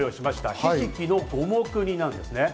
ひじきの五目煮なんですね。